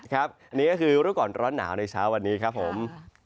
ครับนี่ก็คือรู้ก่อนร้อนหนาวในเช้าวันนี้ครับผม